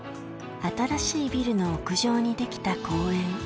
新しいビルの屋上に出来た公園。